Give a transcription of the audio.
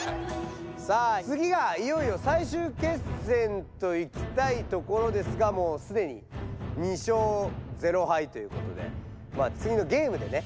さあつぎがいよいよ最終決戦といきたいところですがもうすでに２勝０敗ということで。